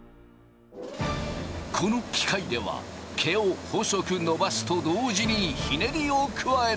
この機械では毛を細く伸ばすと同時にひねりを加える。